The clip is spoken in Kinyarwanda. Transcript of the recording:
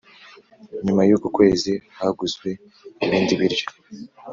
Nyuma y’uku kwezi haguzwe ibindi biryo